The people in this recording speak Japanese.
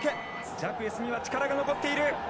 ジャクエスには力が残っている。